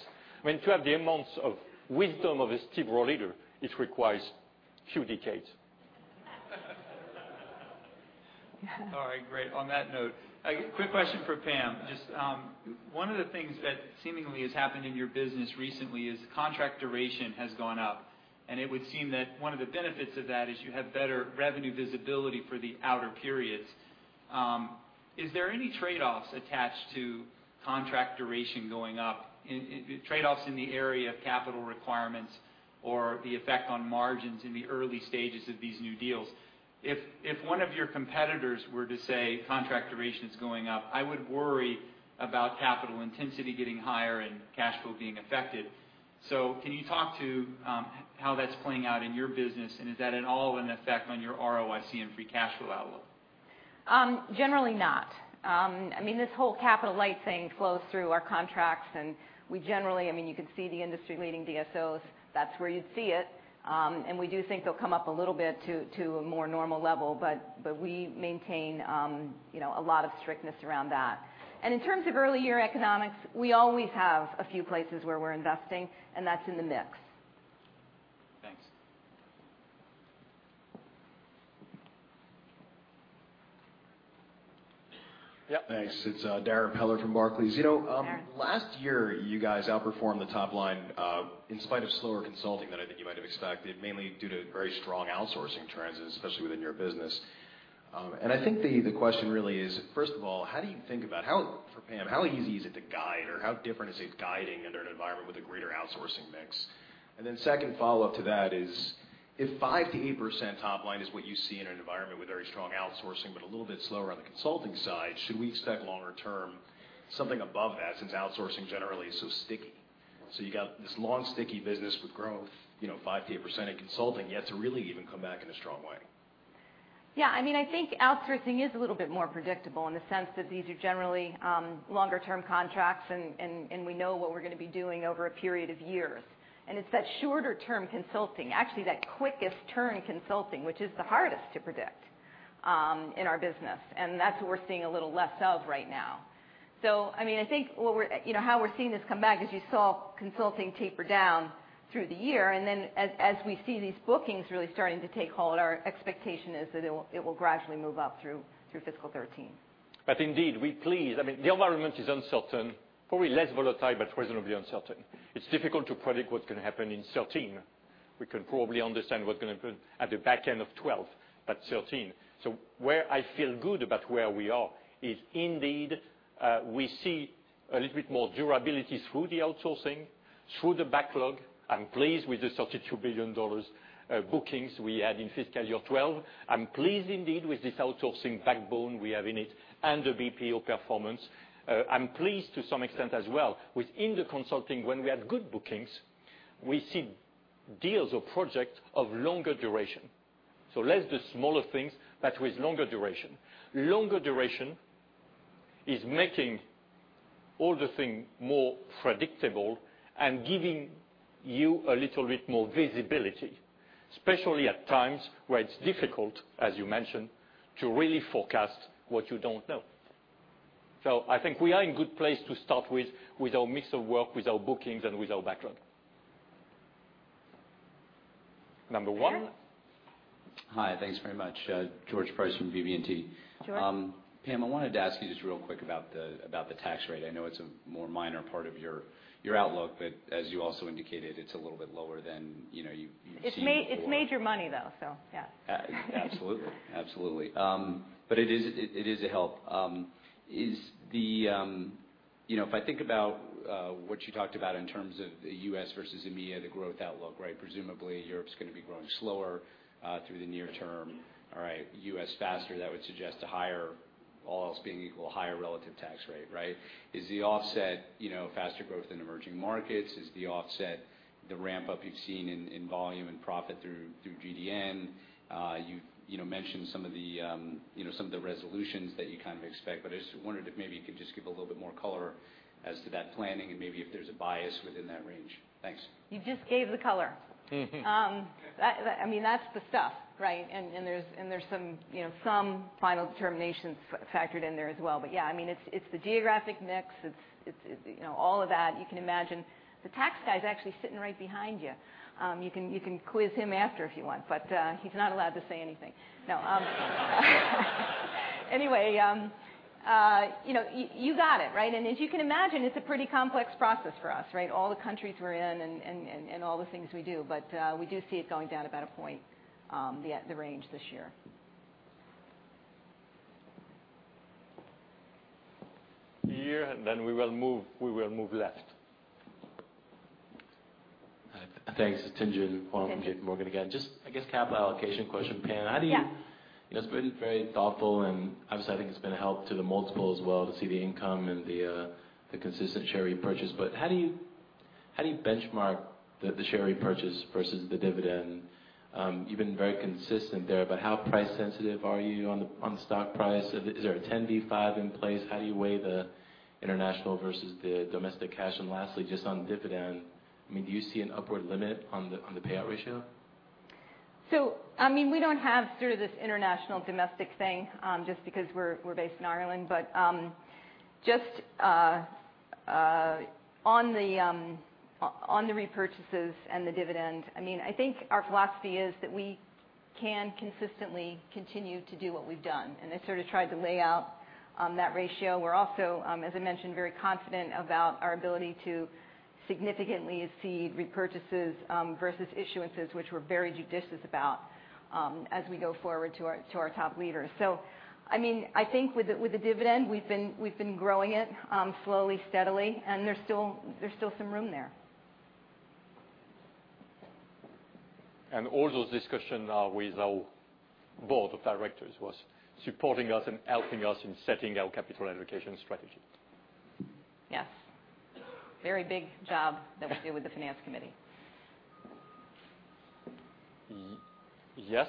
To have the amounts of wisdom of a Steve Rohleder, it requires a few decades. All right, great. On that note, a quick question for Pam. Just one of the things that seemingly has happened in your business recently is contract duration has gone up, and it would seem that one of the benefits of that is you have better revenue visibility for the outer periods. Is there any trade-offs attached to contract duration going up? Trade-offs in the area of capital requirements or the effect on margins in the early stages of these new deals. If one of your competitors were to say contract duration is going up, I would worry about capital intensity getting higher and cash flow being affected. Can you talk to how that's playing out in your business? Is that at all an effect on your ROIC and free cash flow outlook? Generally not. This whole capital light thing flows through our contracts, and we generally, you can see the industry-leading DSOs. That's where you'd see it. We do think they'll come up a little bit to a more normal level, but we maintain a lot of strictness around that. In terms of early year economics, we always have a few places where we're investing, and that's in the mix. Thanks. Yep. Thanks. It's Darrin Peller from Barclays. Darrin. Last year, you guys outperformed the top line in spite of slower consulting than I think you might have expected, mainly due to very strong outsourcing trends, especially within your business. I think the question really is, first of all, for Pam, how easy is it to guide? Or how different is it guiding under an environment with a greater outsourcing mix? Second follow-up to that is, if 5% to 8% top line is what you see in an environment with very strong outsourcing, but a little bit slower on the consulting side, should we expect longer term something above that, since outsourcing generally is so sticky? You got this long sticky business with growth, 5% to 8% in consulting, you have to really even come back in a strong way. Yeah. I think outsourcing is a little bit more predictable in the sense that these are generally longer-term contracts, and we know what we're going to be doing over a period of years. It's that shorter-term consulting, actually that quickest turn consulting, which is the hardest to predict in our business. That's what we're seeing a little less of right now. I think how we're seeing this come back, as you saw consulting taper down through the year, and then as we see these bookings really starting to take hold, our expectation is that it will gradually move up through fiscal 2013. The environment is uncertain, probably less volatile, but reasonably uncertain. It's difficult to predict what's going to happen in 2013. We can probably understand what's going to happen at the back end of 2012, but 2013. Where I feel good about where we are is indeed, we see a little bit more durability through the outsourcing, through the backlog. I'm pleased with the $32 billion bookings we had in fiscal year 2012. I'm pleased indeed with this outsourcing backbone we have in it and the BPO performance. I'm pleased to some extent as well, within the consulting, when we had good bookings, we see deals or projects of longer duration. Less the smaller things, but with longer duration. Longer duration is making all the thing more predictable and giving you a little bit more visibility, especially at times where it's difficult, as you mentioned, to really forecast what you don't know. I think we are in good place to start with our mix of work, with our bookings, and with our backlog. Number one. Aaron. Hi, thanks very much. George Price from BB&T. George. Pam, I wanted to ask you just real quick about the tax rate. I know it's a more minor part of your outlook, but as you also indicated, it's a little bit lower than you've seen before. It's made your money, though, yeah. Absolutely. It is a help. If I think about what you talked about in terms of the U.S. versus EMEA, the growth outlook, presumably Europe's going to be growing slower through the near term. All right, U.S. faster, that would suggest, all else being equal, a higher relative tax rate, right? Is the offset faster growth in emerging markets? Is the offset the ramp-up you've seen in volume and profit through GDN? You mentioned some of the resolutions that you kind of expect, I just wondered if maybe you could just give a little bit more color as to that planning and maybe if there's a bias within that range. Thanks. You just gave the color. That's the stuff, right? There's some final determinations factored in there as well. Yeah, it's the geographic mix. It's all of that. You can imagine. The tax guy's actually sitting right behind you. You can quiz him after if you want, but he's not allowed to say anything. No. Anyway, you got it. As you can imagine, it's a pretty complex process for us. All the countries we're in and all the things we do. We do see it going down about a point, the range this year. Here, and then we will move left. Hi. Thanks. It's Tien-Tsin Huang from J.P. Morgan again. Just, I guess, capital allocation question, Pam. Yeah. It's been very thoughtful and obviously, I think it's been a help to the multiple as well to see the income and the consistent share repurchase. How do you benchmark the share repurchase versus the dividend? You've been very consistent there, but how price sensitive are you on the stock price? Is there a 10b5 in place? How do you weigh the international versus the domestic cash? Lastly, just on dividend, do you see an upward limit on the payout ratio? We don't have sort of this international-domestic thing, just because we're based in Ireland. Just on the repurchases and the dividend, I think our philosophy is that we can consistently continue to do what we've done, and I sort of tried to lay out that ratio. We're also, as I mentioned, very confident about our ability to significantly see repurchases versus issuances, which we're very judicious about as we go forward to our top leaders. I think with the dividend, we've been growing it slowly, steadily, and there's still some room there. All those discussions are with our board of directors, who are supporting us and helping us in setting our capital allocation strategy. Yes. Very big job that we do with the finance committee. Yes.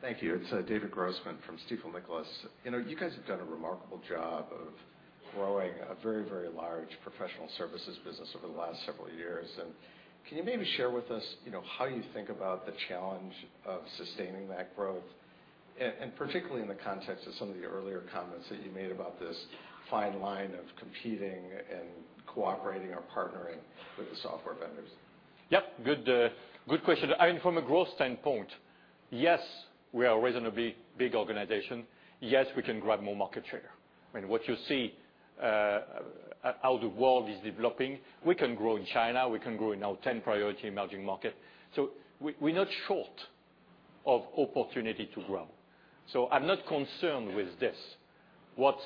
Thank you. It's David Grossman from Stifel Nicolaus. You guys have done a remarkable job of growing a very large professional services business over the last several years. Can you maybe share with us how you think about the challenge of sustaining that growth? Particularly in the context of some of the earlier comments that you made about this fine line of competing and cooperating or partnering with the software vendors. Yep. Good question. From a growth standpoint- Yes, we are a reasonably big organization. Yes, we can grab more market share. What you see, how the world is developing, we can grow in China, we can grow in our 10 priority emerging markets. We're not short of opportunity to grow. I'm not concerned with this. What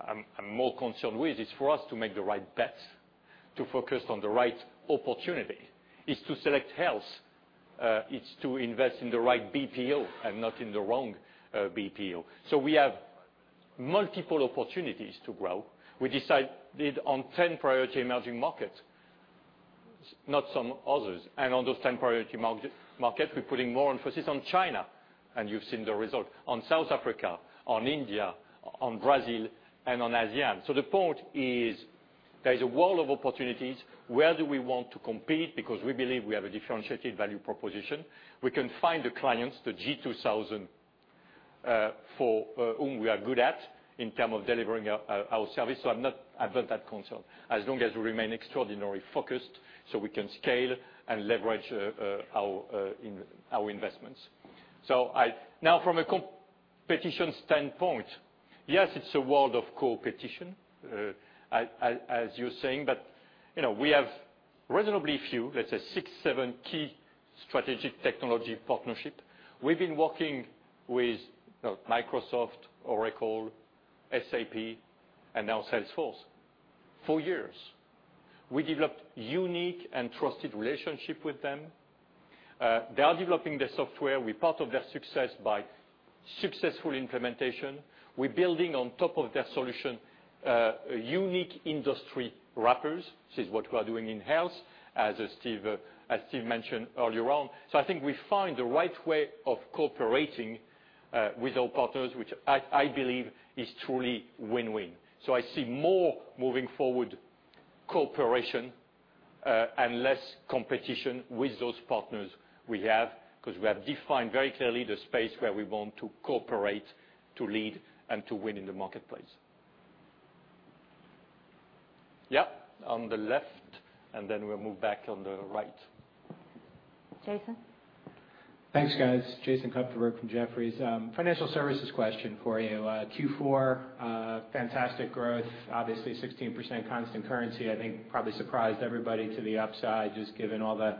I'm more concerned with is for us to make the right bets, to focus on the right opportunity. It's to select health, it's to invest in the right BPO and not in the wrong BPO. We have multiple opportunities to grow. We decided on 10 priority emerging markets, not some others. On those 10 priority markets, we're putting more emphasis on China, and you've seen the result. On South Africa, on India, on Brazil, and on ASEAN. The point is, there is a world of opportunities. Where do we want to compete? We believe we have a differentiated value proposition. We can find the clients, the G2000 for whom we are good at in terms of delivering our service. I'm not that concerned, as long as we remain extraordinarily focused so we can scale and leverage our investments. From a competition standpoint, yes, it's a world of competition, as you're saying, but we have reasonably few, let's say six, seven key strategic technology partnership. We've been working with Microsoft, Oracle, SAP, and now Salesforce for years. We developed unique and trusted relationship with them. They are developing their software. We're part of their success by successful implementation. We're building on top of their solution, unique industry wrappers. This is what we are doing in health, as Steve mentioned earlier on. I think we find the right way of cooperating with our partners, which I believe is truly win-win. I see more moving forward cooperation, and less competition with those partners we have, because we have defined very clearly the space where we want to cooperate, to lead, and to win in the marketplace. Yep. On the left, and then we'll move back on the right. Jason? Thanks, guys. Jason Kupferberg from Jefferies. Financial Services question for you. Q4, fantastic growth. Obviously 16% constant currency, I think probably surprised everybody to the upside, just given all the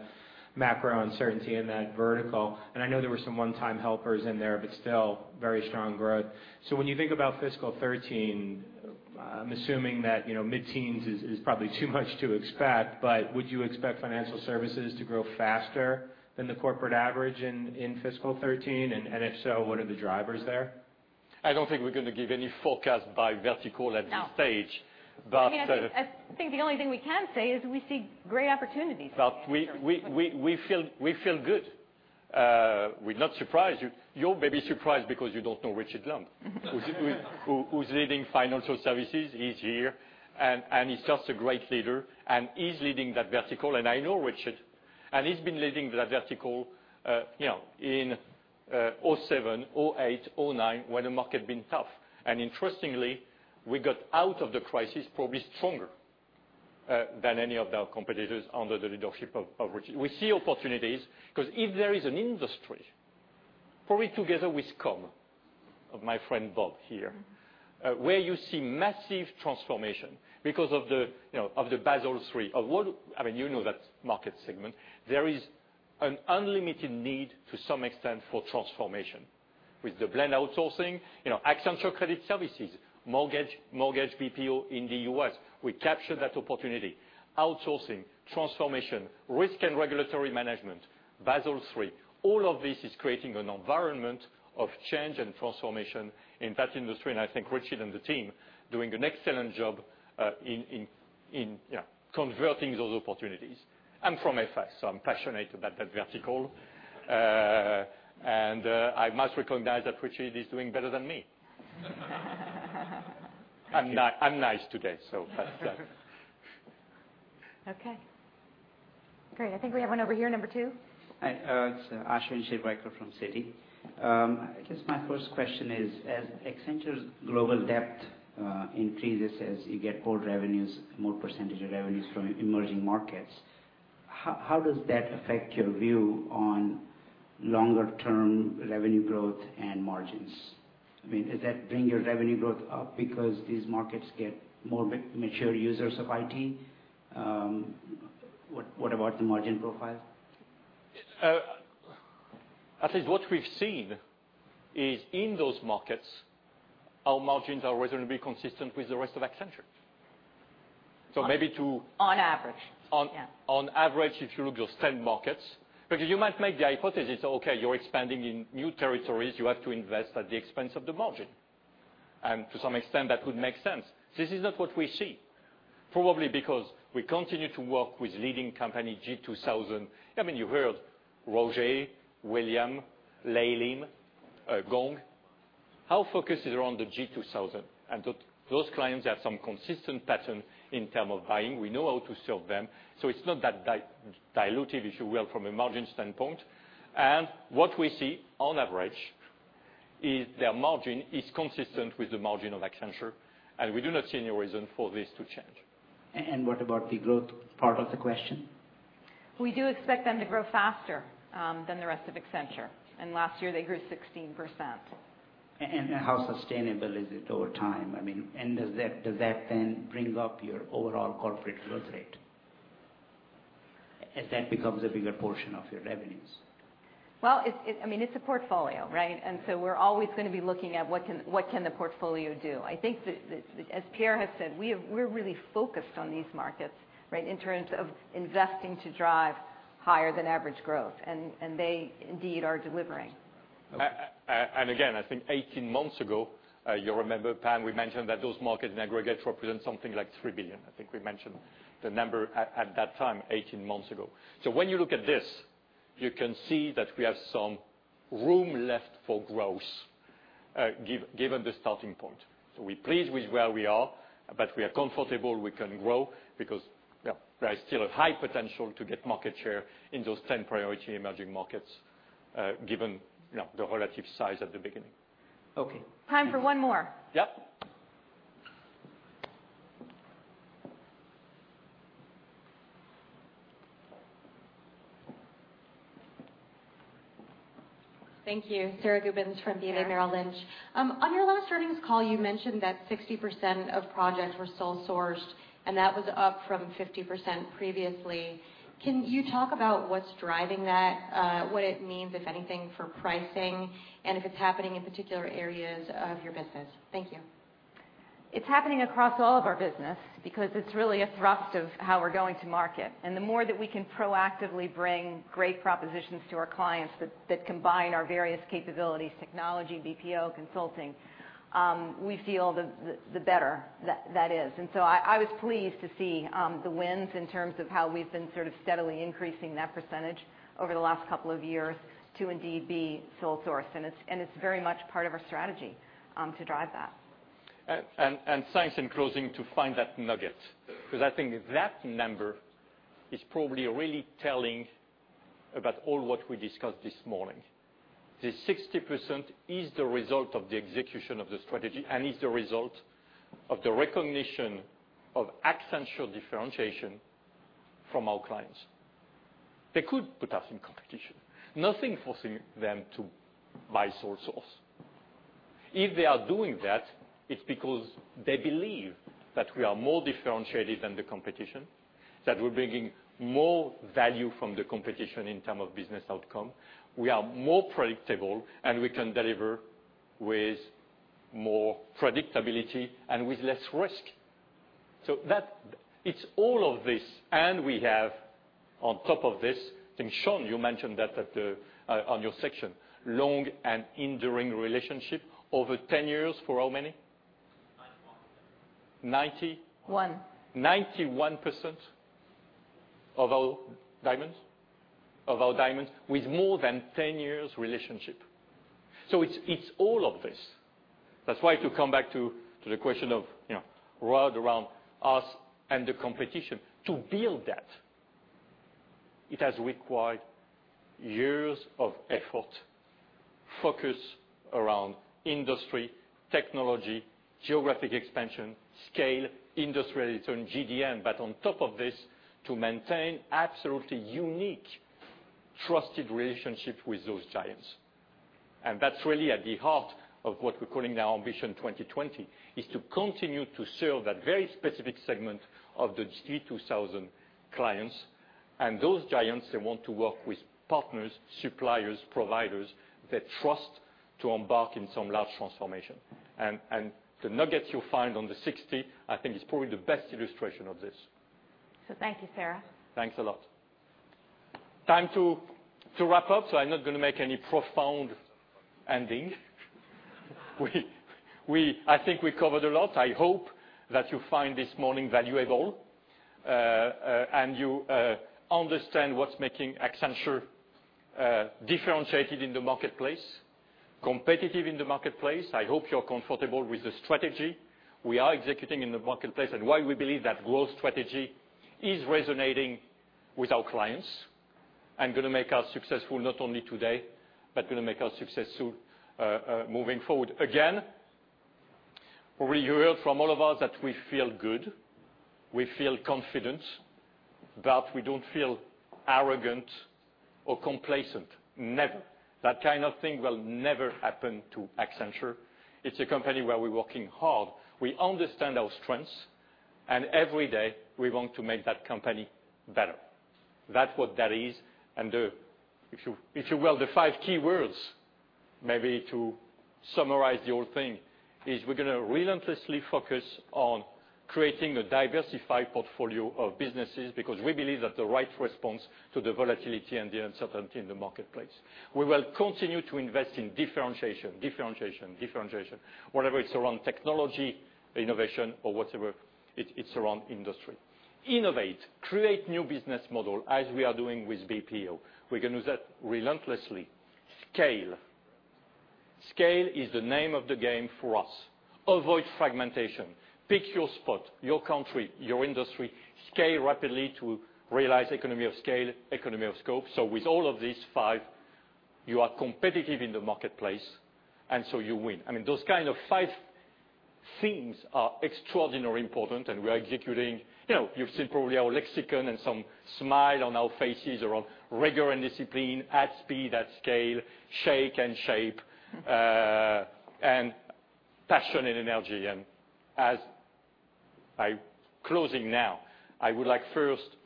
macro uncertainty in that vertical. I know there were some one-time helpers in there, but still, very strong growth. When you think about fiscal 2013, I'm assuming that mid-teens is probably too much to expect, but would you expect Financial Services to grow faster than the corporate average in fiscal 2013? If so, what are the drivers there? I don't think we're going to give any forecast by vertical at this stage. No. But- I think the only thing we can say is we see great opportunities. We feel good. We're not surprised. You may be surprised because you don't know Richard Lumb who's leading Financial Services. He's here, and he's just a great leader, and he's leading that vertical. I know Richard, and he's been leading that vertical in 2007, 2008, 2009, when the market had been tough. Interestingly, we got out of the crisis probably stronger than any of our competitors under the leadership of Richard. We see opportunities, because if there is an industry, probably together with Comm, my friend Bob here, where you see massive transformation because of the Basel III. You know that market segment. There is an unlimited need, to some extent, for transformation. With the blend outsourcing, Accenture Credit Services, mortgage BPO in the U.S. We capture that opportunity. Outsourcing, transformation, risk and regulatory management, Basel III. All of this is creating an environment of change and transformation in that industry, I think Richard and the team doing an excellent job in converting those opportunities. I'm from FS, I'm passionate about that vertical. I must recognize that Richard is doing better than me. I'm nice today, that's that. Great. I think we have one over here, number 2. Hi. It's Ashwin Shirvaikar from Citi. I guess my first question is, as Accenture's global depth increases, as you get more % of revenues from emerging markets, how does that affect your view on longer term revenue growth and margins? Does that bring your revenue growth up because these markets get more mature users of IT? What about the margin profile? I think what we've seen is in those markets, our margins are reasonably consistent with the rest of Accenture. On average. Yeah. On average, if you look at those 10 markets. You might make the hypothesis, okay, you're expanding in new territories, you have to invest at the expense of the margin. To some extent, that would make sense. This is not what we see. Probably because we continue to work with leading company G2000. You heard Roger, William, Laylim, Gong. Our focus is around the G2000, and those clients have some consistent pattern in term of buying. We know how to serve them. It's not that dilutive, if you will, from a margin standpoint. What we see, on average. Is their margin is consistent with the margin of Accenture, and we do not see any reason for this to change. What about the growth part of the question? We do expect them to grow faster than the rest of Accenture. Last year they grew 16%. How sustainable is it over time? I mean, does that then bring up your overall corporate growth rate as that becomes a bigger portion of your revenues? Well, it's a portfolio, right? We're always going to be looking at what can the portfolio do. I think, as Pierre has said, we're really focused on these markets, right, in terms of investing to drive higher than average growth, and they indeed are delivering. I think 18 months ago, you remember, Pam, we mentioned that those markets in aggregate represent something like $3 billion. I think we mentioned the number at that time, 18 months ago. When you look at this, you can see that we have some room left for growth, given the starting point. We're pleased with where we are, but we are comfortable we can grow because there is still a high potential to get market share in those 10 priority emerging markets, given the relative size at the beginning. Okay. Time for one more. Yep. Thank you. Sara Gubins from BofA Merrill Lynch. On your last earnings call, you mentioned that 60% of projects were sole-sourced, that was up from 50% previously. Can you talk about what's driving that? What it means, if anything, for pricing, and if it's happening in particular areas of your business. Thank you. It's happening across all of our business because it's really a thrust of how we're going to market. The more that we can proactively bring great propositions to our clients that combine our various capabilities, technology, BPO, consulting, we feel the better that is. I was pleased to see the wins in terms of how we've been sort of steadily increasing that percentage over the last couple of years to indeed be sole source. It's very much part of our strategy to drive that. Thanks in closing to find that nugget, because I think that number is probably really telling about all what we discussed this morning. The 60% is the result of the execution of the strategy and is the result of the recognition of Accenture differentiation from our clients. They could put us in competition. Nothing forcing them to buy sole source. If they are doing that, it's because they believe that we are more differentiated than the competition, that we're bringing more value from the competition in terms of business outcome. We are more predictable, and we can deliver with more predictability and with less risk. It's all of this, and we have on top of this, I think, Sean, you mentioned that on your section, long and enduring relationship over 10 years for how many? 91. 90? One. 91% of our diamonds with more than 10 years relationship. It's all of this. That's why to come back to the question of, Rod around us and the competition. To build that, it has required years of effort, focus around industry, technology, geographic expansion, scale, industry relation, GDN. On top of this, to maintain absolutely unique, trusted relationship with those giants. That's really at the heart of what we're calling now Ambition 2020, is to continue to serve that very specific segment of the G2000 clients. Those giants, they want to work with partners, suppliers, providers they trust to embark in some large transformation. The nuggets you find on the 60, I think is probably the best illustration of this. Thank you, Sara. Thanks a lot. Time to wrap up, so I'm not going to make any profound ending. I think we covered a lot. I hope that you find this morning valuable, and you understand what's making Accenture differentiated in the marketplace, competitive in the marketplace. I hope you're comfortable with the strategy we are executing in the marketplace, and why we believe that growth strategy is resonating with our clients and going to make us successful not only today, but going to make us successful moving forward. Again, you heard from all of us that we feel good, we feel confident, but we don't feel arrogant or complacent. Never. That kind of thing will never happen to Accenture. It's a company where we're working hard. We understand our strengths, and every day we want to make that company better. That's what that is. If you will, the five key words, maybe to summarize the whole thing, is we're going to relentlessly focus on creating a diversified portfolio of businesses because we believe that the right response to the volatility and the uncertainty in the marketplace. We will continue to invest in differentiation, differentiation, whatever is around technology, innovation or whatever it's around industry. Innovate, create new business model as we are doing with BPO. We're going to do that relentlessly. Scale. Scale is the name of the game for us. Avoid fragmentation. Pick your spot, your country, your industry. Scale rapidly to realize economy of scale, economy of scope. With all of these five, you are competitive in the marketplace, you win. Those kind of five things are extraordinarily important, and we are executing. You've seen probably our lexicon and some smile on our faces around rigor and discipline at speed, at scale, shake and shape, and passion and energy. As I closing now, I would like first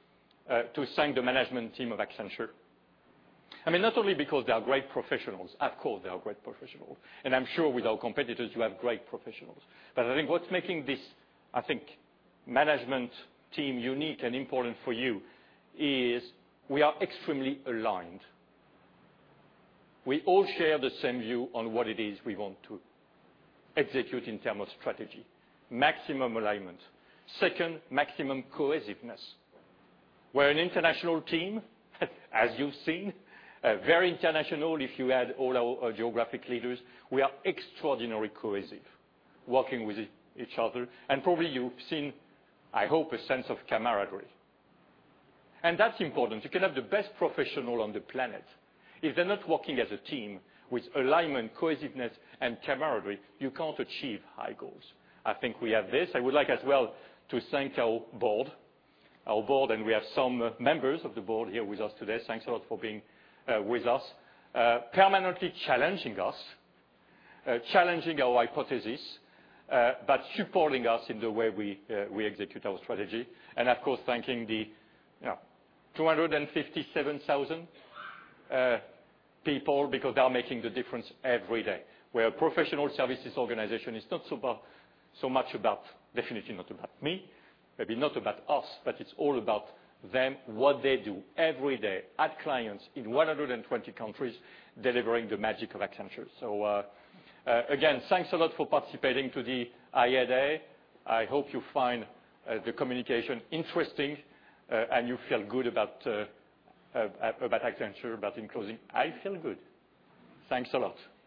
to thank the management team of Accenture. Not only because they are great professionals. Of course, they are great professionals. I'm sure with our competitors, you have great professionals. I think what's making this management team unique and important for you is we are extremely aligned. We all share the same view on what it is we want to execute in term of strategy. Maximum alignment. Second, maximum cohesiveness. We're an international team, as you've seen. Very international if you add all our geographic leaders. We are extraordinarily cohesive, working with each other. Probably you've seen, I hope, a sense of camaraderie. That's important. You can have the best professional on the planet. If they're not working as a team with alignment, cohesiveness, and camaraderie, you can't achieve high goals. I think we have this. I would like as well to thank our board, we have some members of the board here with us today. Thanks a lot for being with us. Permanently challenging us, challenging our hypothesis, supporting us in the way we execute our strategy. Of course, thanking the 257,000 people because they are making the difference every day. We're a professional services organization. It's definitely not about me, maybe not about us, but it's all about them, what they do every day at clients in 120 countries delivering the magic of Accenture. Again, thanks a lot for participating to the IAD. I hope you find the communication interesting, and you feel good about Accenture. In closing, I feel good. Thanks a lot